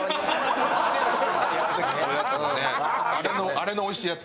あれのおいしいやつ。